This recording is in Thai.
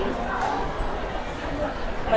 คงเป็นแบบเรื่องปกติที่แบบ